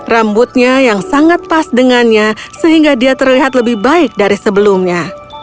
rambutnya yang sangat pas dengannya sehingga dia terlihat lebih baik dari sebelumnya